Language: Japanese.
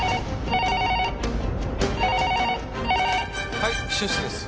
はい秘書室です。